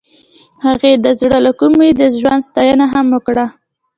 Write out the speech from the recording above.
هغې د زړه له کومې د ژوند ستاینه هم وکړه.